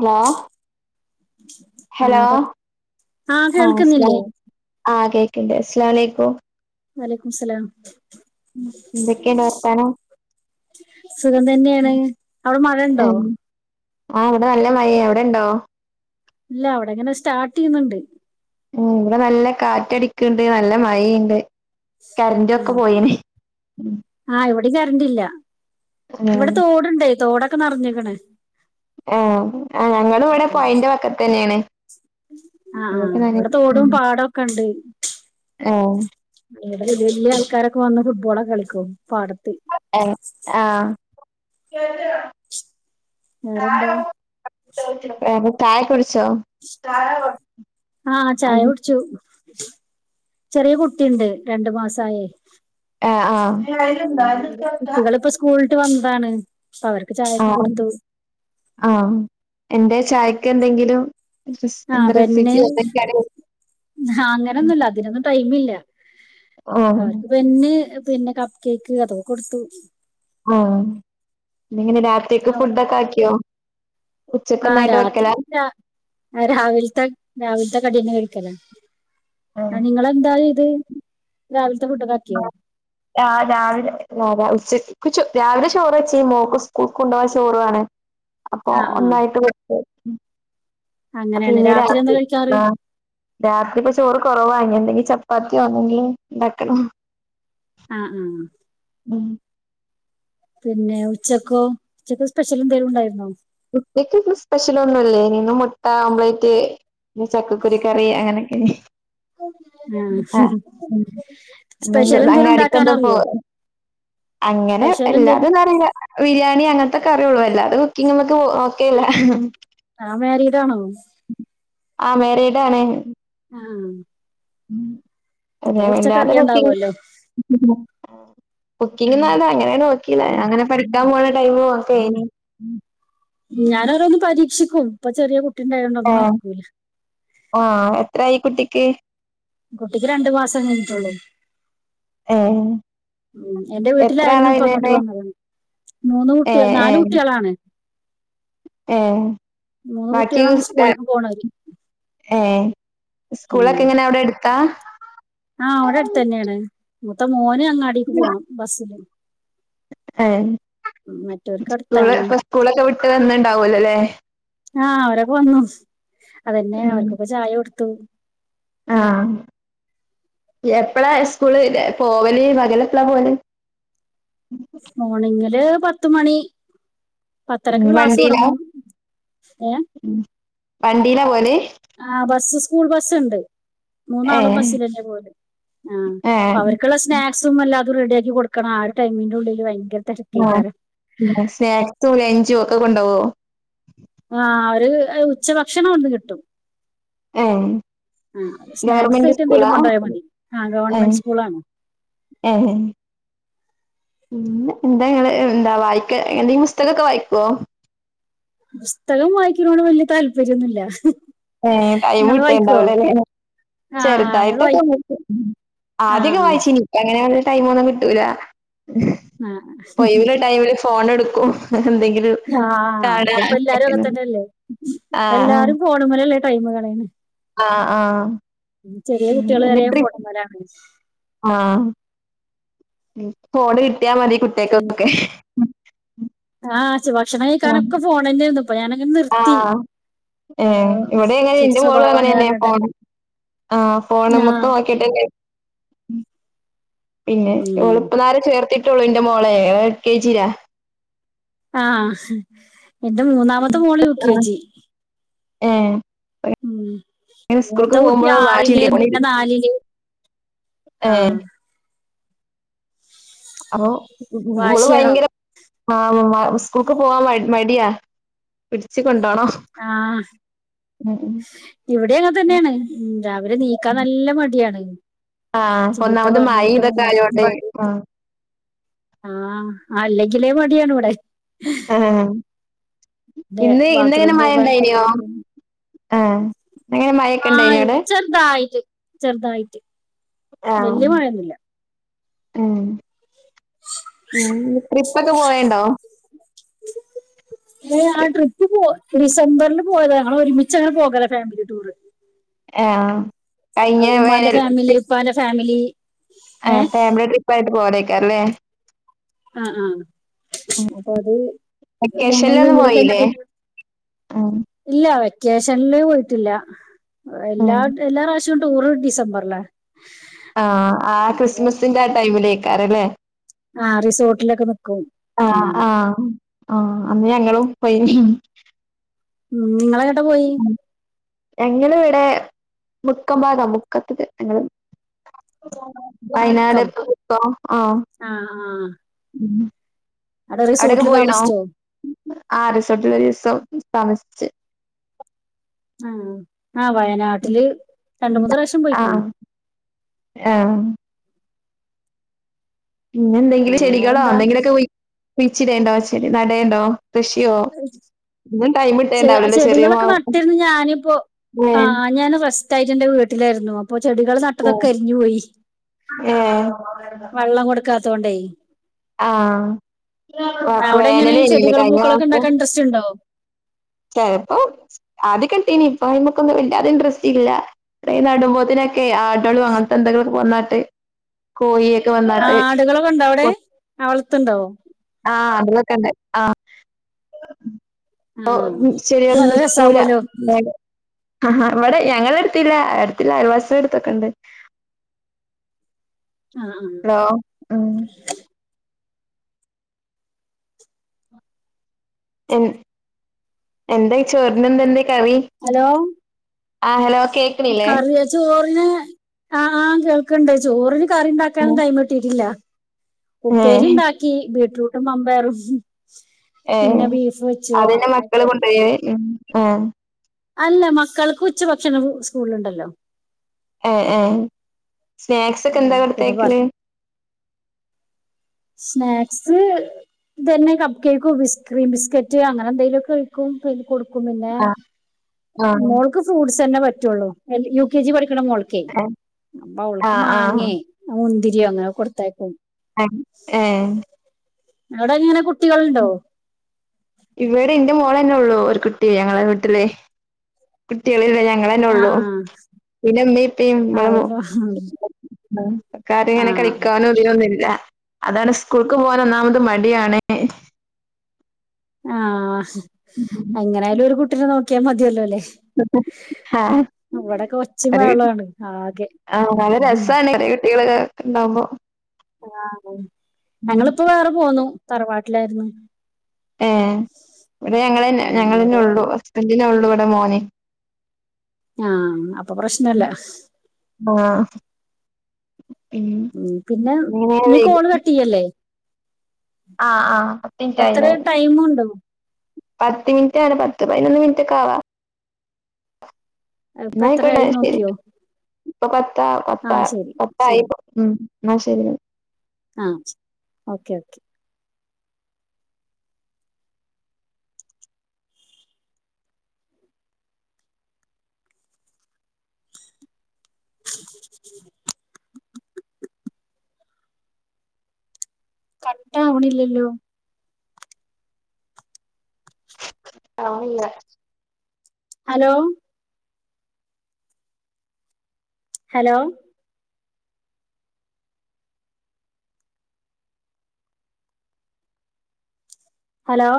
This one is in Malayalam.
ഹലോ ഹലോ ആഹ് പ ആഹ് ആ അസ്സലാ കേൾക്കുന്നില്ലേ ആഹ് കേക്ക്ണ്ട് അസ്സലാംലൈകും വലൈകുമുസ്സലാം ഉം എന്തക്കെണ്ട് വർത്താനം? സുഖം തന്നെയാണ് അഒടെ മഴ ണ്ടോ? ആ ഇവടെ നല്ല മഴയാ. അവിടെണ്ടോ? ഇല്ല ഇവടെ ഇങ്ങനെ സ്റ്റാർട്ടേയ്യുന്നുണ്ട്. ഉം ഇവടെ നല്ല കാറ്റടിക്ക്ണ്ട് നല്ല മഴയ്ണ്ട്. ഉം ആഹ് ഇവിടേം കറണ്ടില്ല. ഇവടെ ആഹ് തോടുണ്ടേയ് തോടൊക്കെ നറഞ്ഞ്ക്ക്ണ്. ഏഹ് ആഹ് ഞങ്ങൾ ഇവടെ പൊഴന്റെ വക്കത്തന്നെയാണ്. ആഹ് ആഹ് ഇവടെ തോടും പാടൊക്കെ ഇണ്ട്. ഏഹ് ഇവടെ വല്യ വല്യ ആൾക്കാരൊക്കെ വന്ന് ഫുട്ബോളൊക്കെ കളിക്കും പാടത്ത്. എഹ് ആഹ് വേറെന്താ? റ്റായ കുട്ച്ചോ? ആഹ് ചായ കുടിച്ചു. ചെറിയ കുട്ടിണ്ട് രണ്ട് മാസായേ. ആഹ് കുട്ടികള്പ്പ സ് കൂൾട്ട് വന്നതാണ് അവർക്ക് ചായക്കെ ആഹ് കൊടുത്തു. ആഹ് എന്തെ ചായക്ക് എന്തെങ്കിലും? റെസ് ആഹ് എന്താ ബെന്ന് റെസിപ്പിയോ എന്തെങ്കിലും ആഹ് അങ്ങനെന്നുല്ല അതിനൊന്നും ടൈമില്ല ഓഹ് അവർക്ക് ബെന്ന് പിന്നെ കപ്പ് കേക്ക് അതൊക്കെ കൊടുത്തു. ഓഹ് പിന്നെങ്ങനെ രാത്രിയെക്ക് അവിടെ ഫുഡൊക്കെ ആക്കിയോ? ഉച്ചക്കൊന്നായിട്ട് വെക്കല? ആഹ് രാവിൽത്ത രാവിൽത്ത കടിയെന്നെ എട്ക്കല ആഹ് നിങ്ങെളെന്താ ഇത്? രാവിൽത്തെ ഫുഡൊക്കാക്ക്യൊ? ആഹ് രാവിലെ രാ രാ ഉച്ചക്ക് ചോ രാവിലെ ചോറ് വെച്ചീൻ മോക്ക് സ്കൂൾക്കുണ്ടോവാൻ ചോറ് വാണെ അപ്പൊ ആ ആ ഒന്നായിട്ട് വെക്കും അങ്ങനെയാണ് അപ്പിന്ന് രാത്രി എന്താ കഴിക്കാറ് ആഹ് രാത്രി പ്പ ചോറ് കൊറവാ ഇനി എന്തെങ്കി ചപ്പാത്യോ ന്തെങ്കിലു ണ്ടാക്കണം. ഹ് ആഹ് ആ ഉം പിന്നെ ഉച്ചക്കോ? ഉച്ചക്ക് സ്പെഷ്യൽ ന്തേലു ണ്ടായിരുന്നോ? ഉച്ചക്ക് ന്ന് സ്പെഷ്യലൊന്നും ല്ലേനി ന്ന് മുട്ട ഓംബ്ലേറ്റ് ന്ന് ചക്കക്കുരു കറി അങ്ങനെക്കെനി ഉം ആ ഉം സ്പെഷ്യൽ എന്തേലും ഉണ്ടാക്കാൻ അങ്ങാടിക്കൊന്നും പോ അറിയോ അങ്ങനെ സ്പെഷ്യൽ എന്തേലും എല്ലാരൊന്നറീല്ല. അ ബിര്യാണി അങ്ങൻത്തൊക്കെറിയുള്ളു അല്ലാതെ കുക്കിങ്ങ് മ്മക്ക് ഓക്കെയല്ല താം മാരീഡാണോ? ആഹ് മേരീഡാണ് ആഹ് ഉ ഞാൻ വല്ലാതെ കുക്കിംഗ് അറിയാണ്ടാവുമല്ലോ [unintelligible] കുക്കിംഗ് ഉം നാനെയാണ് അങ്ങനെണ് വെ [unintelligible] അങ്ങനെ പഠിക്കാൻ പോണ ടൈമു ഒക്കെയ്നി ഉം. ഞാനോരോന്ന് പരീക്ഷിക്കും. പ്പ ചെറിയ കുട്ടിണ്ടായോണ്ടൊന്നും ഏഹ് നടക്കൂല്ല. ആഹ് എത്രായി കുട്ടിക്ക്? കുട്ടിക്ക് രണ്ടു മാസം കഴിഞ്ഞിട്ടേള്ളൂ ഏഹ് ഉം എന്റെ എത്ര ആളാ വീട്ടിലായിരുന്നു പ്പ ങ്ങോട്ട് വല്യേത്? വന്നത്. മൂന്ന് കുട്ടികൾ ഏഹ് നാല് ഏഹ് കുട്ട്യളാണ് ഏഹ് മൂന്ന് ബാക്കി കുട്ടികളാണ് സ്കൂളിലേക്ക് പോണവര് [unintelligible] ഏഹ് സ്കൂളൊക്കെങ്ങനെ അവിടെ അടുത്താ? ആഹ് അവിടെ ട്ത്ത് ന്നെണ്. മൂത്ത മോന് അങ്ങാടീക്ക് പോണം ബസ്സില് ഏഹ് ഉം മറ്റവർക്ക് സ്കൂള അടുത്താണ് പ്പ സ്കൂളൊക്കെ വിട്ട് വന്ന്ണ്ടാവല്ലൊ ല്ലേ? ആഹ് അവരൊക്കെ വന്നു. അതന്നെ ഉം അവർക്കൊക്കെ ചായ കൊട്ത്തു. ആഹ് യെപ്പളാ സ്കൂള് ല പോവല്? പകലെപ്പളാ പോവല്? മോണിങ്ങില് പത്ത് മണി ഉം പത്തരക്ക് ക്ലാസ്സ് വണ്ടീലാ? തൊടങ്ങും. ഏഹ് വണ്ടീലാ പോല്? ആഹ് ബസ്സ് സ്കൂൾ ബസ്ണ്ട് മൂന്നാളും ഏഹ് ബസ്സിലെന്നാ പോല്.. ആഹ് ഏഹ് പ്പ വർക്കുള്ള സ്നാക് നും എല്ലാതും റെഡിയാക്കി കൊടുക്കണം. ആ ഒരു ടൈമിന്റുള്ളില് ഭയങ്കര തിരക്കേക്കാരം ആഹ് സ്നാക്സും ലഞ്ചും ഒക്കെ കൊണ്ടോവോ? ആഹ് അവര് എ ഉച്ചഭക്ഷണം അവിടുന്ന് കിട്ടും ഏഹ് ആഹ് ഗവർമെന്റ് സ്കൂളാ? സ്നാക്സായിട്ടെന്തെലും കൊണ്ടോയാ മതി. ആഹ് ഏഹ് ഗവൺമെന്റ് സ്കൂളാണ്. ഏഹ് [unintelligible] എന്താ നിങ്ങള് ന്താ വായിക്ക എന്തെ പുസ്തകമൊക്കെ വായിക്കോ? പുസ്തകം വായിക്കുന്നോട് വല്യ താല്പര്യൊന്നുമില്ല. ഏഹ് ടൈമ്ട്ടണ്ടാവ് ല്ലല്ലേ? ആ നിങ്ങൾ വായി ചെറുതായിട്ടൊക്കെ [unintelligible] ആ ആദ്യൊക്കെ വായിച്ചിനി അങ്ങനെയൊന്നും ടൈമ് ഒന്നും കിട്ടൂല ആ ഒഴിവുള്ള ടൈമില് ഫോൺ എടുക്കും എന്തെങ്കിലും ആഹ് കാണാ അതിപ്പോ എല്ലാരും അതൊക്കെ തല്ലേ ഇപ്പൊ ആഹ് എല്ലാരും ഫോൺ മ്മേലല്ലേ ടൈമ് കളയണ് ആഹ് ആഹ് ചെറിയ ഉം കുട്ടികള് വരെ എന്നിട്ട് ഫോണ് മ്മേലാണ് ആഹ് ഫോണ് കിട്ടിയാ മതി കുട്ടികക്കൊക്കെ ആഹ് ഭക്ഷണം കഴിക്കാനൊക്കെ ഫോൺ തന്നെ ആയിരുന്നു ഞാൻ ഇപ്പൊ നിർത്തി ആ, ആഹ് ഇവിടെ അങ്ങന ചീത്ത എന്റെ മോളും സ്വഭാവമാണ് അങ്ങനന്നെയ കാരണട്ടെ ഫോൺ ആഹ് ആ ഫോണുമ്മേക്ക് നോക് [unintelligible] പിന്നെ ഉം ഇപ്പളാരെ ചേർത്തിട്ടുള്ളു എന്റെ മോളെ എൽ കെ ജി ലാ ആഹ് എന്റെ മൂന്നാമത്തെ മോള് യൂ കെ ആഹ് ജി ഏഹ് ഉം ഇങ്ങനെ മൂത്ത സ്കൂൾക്ക് കുട്ടി പോകുമ്പോള് ആറില് വാശിണ്ട് പിന്നെ നാലില് ആ ഏഹ് [unintelligible] മോള് വാശിയാണ് ഭയങ്കര ആഹ് സ്കൂൾക്ക് പോവാൻ മ മടിയാ പിടിച്ചു കൊണ്ടോണം ആഹ് ഉം ഇവിടെ അങ്ങെ തന്നെയാണ് രാവിലെ നീക്കാൻ ഉം നല്ല മടിയാണ് ആഹ് ചീത്ത ഒന്നാമത് മഴ പറഞ്ഞിട്ടും ഇതൊക്കെ ആയോണ്ട് [unintelligible] ആഹ് ആഹ് അല്ലെങ്കിലേ മടിയാണ് ഇവിടെ ആഹ് ന്റെ ഇന്ന് ഇന്നെങ്ങനെ ബാത്റൂം മഴ പോകാൻ പല്ല് ഉണ്ടായിനോ തേക്കാൻ ആഹ് അങ്ങനെ മഴയൊക്കെ ഇണ്ടായിനോ ആഹ് അവിടെ ചെർതായിട്ട് ചെർതായിട്ട് ആഹ് ഉം ഉം ട്രിപ്പൊക്കെ പോയൊണ്ടോ [inaudible] [unintelligible] ആഹ് ട്രിപ്പ് പോ ഡിസംബറിൽ പോയതാ ഞങ്ങൾ ഒരുമിച്ച അങ്ങനെ പോകല ഫാമിലി ടൂറ് ആഹ് കഴിഞ്ഞ ആഹ് ഉമ്മാന്റെ വേനൽ ഫാമിലി [unintelligible] ഉപ്പാന്റെ ഫാമിലി ആഹ് ഏഹ് ഫാമിലി ട്രിപ്പ് ആയിട്ട് പോകലായിരിക്കും അല്ലേ ആഹ് ആഹ് അപ്പൊ അത് ഞങ്ങള് വെക്കേഷനിലൊന്നും പോയില്ലേ [unintelligible] ഉം ഇല്ല വെക്കേഷനില് പോയിട്ടില്ല ഉം എല്ലാ എല്ലാ പ്രാവശ്യം ടൂറ് ഡിസംബറില ആഹ് ആ ക്രിസ്മസിന്റെ ആ ടൈമിലേക്കാറില്ലേ ആഹ് റിസോർട്ടിലൊക്കെ നിക്കും ആഹ് അങ്ങനെ ആഹ് ആഹ് അന്ന് ഞങ്ങളും പയി ഉം നിങ്ങളെങ്ങട്ടാ പോയി ഞങ്ങളിവിടെ മുക്കം ഭാഗം മുക്കത്തില് ഞങ്ങളും മുക്കം വയനാട്ക്ക [unintelligible] ആഹ് ആ ആ ഉം അവിടെ അവിടൊക്കെ റിസോർട്ടില് പോയിനൊ താമസിച്ചോ ആഹ് റിസോർട്ടിൽ ഒരു ദിവസം താമസിച്ചെ ആഹ് ആ വയനാട്ടില് രണ്ട് മൂന്ന് പ്രാവശ്യം ആഹ് പോയിക്കണ് ആഹ് പിന്നെ ആ എന്തെങ്കിലും ചെടികളോ വേറെന്താ എന്തെങ്കിലുമൊക്കെ കുഴിച്ചിടേണ്ടോ ചെടി നടേണ്ടോ കൃഷിയോ ഇന്നും ടൈമിട് ചെ ചെടികളൊക്കെ നട്ടിരിന്ന് ഞാനിപ്പോ ഏഹ് ആഹ് ഞാന് റസ്റ്റ് തയജന്റെ വീട്ടിലായിരുന്നു അപ്പോ ചെടികൾ ന അതൊക്കെ കരിഞ്ഞു പോയി ഏഹ് വെള്ളം കൊടുക്കാത്ത കൊണ്ടയി ആഹ് അപ്പൊ അവിടെ എങ്ങനെയാ വേനലേനില്ലേ ചെടികളും കഴിഞ്ഞ പൂക്കളൊക്കെ ഉണ്ടാക്കാൻ ഇൻട്രസ്റ്റ് ഉണ്ടോ ചിലപ്പോ ആദ്യ കിട്ടീനി ഇപ്പൊ നമുക്കൊന്നും വല്ലാതെ ഇൻട്രറസ്റ്റ് ഇല്ല ഇട നടുമ്പോ ആടുകളും അങ്ങനത്തെ എന്തെങ്കിലോക്കെ വന്നട്ട് കോഴിയൊക്കെ വന്ന് ആ ആടുകളൊക്കെ ഉണ്ടോ അവിടെ വളത്തുണ്ടാവോ ആഹ് ആടുകളൊക്കെ ഉണ്ട് ആഹ് ആ ശരിയാന്ന് നല്ല നിൽകൂല രസാവുമല്ലോ ആ ഞങ്ങടെ ഞങ്ങടടുത്തില്ല അടുത്തുള്ള അയൽവാസികൾ എടുത്തൊക്കെ ഉണ്ട്. ആ ആ ഹലോ ഉം എ എന്തായി ചോറിനെന്താ ഇന്ന് കറി ഹലോ ആ ഹലോ കേക്ക്ണില്ലേ? കറിയ ചോറിന് ആ ആ കേൾക്കണ്ടേ ചോറിന് കറി ഉം ഉണ്ടാക്കാനുള്ള ടൈം കിട്ടിട്ടില്ല ഏഹ് ഉപ്പേരിണ്ടാക്കി ബീട്ട് റൂട്ടും മാമ്പയറും ഏയ് അതിന്റെ മക്കള് കൊണ്ടുപോയി മ്മ് ആഹ് അല്ല മക്കൾക്ക് ഉച്ചഭക്ഷണവും സ്കൂളിൽ ഉണ്ടല്ലോ ഏ ഏ സ്നാക്സ് ഒക്കെ ഉം എന്താ പിന്നെ കൊറ കൊടുത്തയക്കല് സ്നാക്സ് തന്നെ കപ് കേക്കോ ബിസ് ക്രീം ബിസ്കറ്റ് അങ്ങനെ എന്തെങ്കലുമൊക്കെ ഉം പിന്ന കൊടുക്കുമുന്നേ ആഹ് ആഹ് പിന്നൊൾ ക്ക് ഫ്രൂട്ടസ് തന്നെ പറ്റുള്ളൂ യു കെ ജി പഠിക്കണ മോൾക്കേ ഏഹ് അപ്പൊ അവൾക്ക് ആഹ് ആഹ് മാങ്ങേ മുന്തിരിയോ അങ്ങനെ കൊടുത്തയക്കും ആ ഏയ് ഇവിടെ ഇങ്ങനെ കുട്ടികളുണ്ടോ ഇവിടെ എന്റെ മോളെ തന്നെ ഉള്ളൂ ഒരു കുട്ടി ഞങ്ങളെ വീട്ടിലെ കുട്ടികളല്ല ഞങ്ങളന്നെ ആ ഉള്ളു ആ പിന്നെമ്മീപ്പ അവന് കറി അങ്ങനെ ആഹ് കഴിക്കാനും അങ്ങനെയൊന്നില്ല അതാണ് സ്കൂൾക്ക് പോകാൻ ഒന്നാമത് മടിയാണ് ആഹ് എങ്ങനെയാലും ഒരു കുട്ടീനെ നോക്കിയാൽ മതിയല്ലോ അല്ലേ അ ആഹ ഇവിടൊക്കെ ഒച്ചയും ഒരു ബഹളാണ് ആകെ ആ നല്ല ഉം. രസമാണ് പരകട്ടികള് ഉണ്ടാവോ ആ ഞങ്ങളിപ്പോ വേറെ പോന്നു തറവാട്ടിലായിരുന്നു ഏ ഇവിടെ ഞങ്ങളന്ന ഉം അവിടെ ഞങ്ങളന്നെ ഉള്ളു ഹസ്ബൻറിനെ ഉള്ളു ഇവിടെ മോനെ ആഹ് അപ്പൊ പ്രശ്നമില്ല ആഹ് ഉം [unintelligible] അല്ലെ ആഹ് ആഹ് പത്തു മിനുട്ടായി എത്ര അല്ലേ ടൈമുണ്ടോ പത്ത് മിനിറ്റ് ആണ് പത്ത് പതിനൊന്ന് മിനിറ്റ് ഒക്കെ ആവാ ഇപ്പൊ എന്നായിക്കോട്ടെ എത്രയായി ശരി നോക്കിയോ ഇപ്പൊ പത്താ പത്താ ആഹ് ശരി പത്തായി ശരി ഇപ്പോ ഉം എന്നാ ശരി ആ ഓക്കെ ഓക്കെ ഉ [unintelligible] ആവണില്ലല്ലോ ആയില്ല ഹലോ ഹലോ ഹലോ